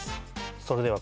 それでは